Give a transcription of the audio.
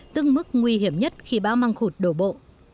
tương mức nguy hiểm nhất khi bão mangkut đổ bộ